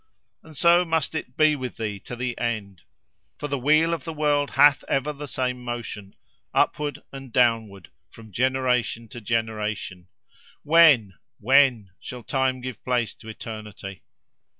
And so must it be with thee to the end. For the wheel of the world hath ever the same motion, upward and downward, from generation to generation. When, when, shall time give place to eternity?